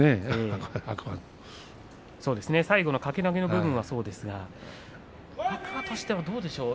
最後の掛け投げの部分もそうですけれども天空海としてはどうでしょう？